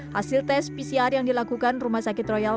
hasil tes pcr yang dilakukan rumah sakit royal